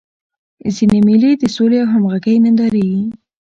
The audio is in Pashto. ځيني مېلې د سولي او همږغۍ نندارې يي.